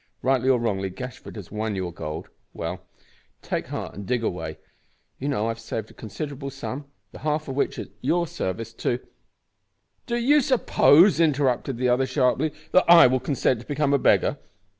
Rightly or wrongly, Gashford has won your gold. Well, take heart and dig away. You know I have saved a considerable sum, the half of which is at your service to " "Do you suppose," interrupted the other sharply, "that I will consent to become a beggar?"